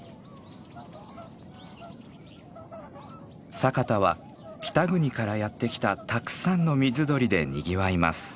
佐潟は北国からやって来たたくさんの水鳥でにぎわいます。